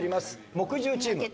木１０チーム。